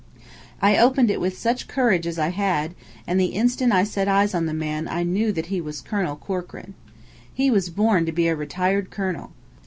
I opened it with such courage as I had; and the instant I set eyes on the man I knew that he was Colonel Corkran. He was born to be a retired colonel.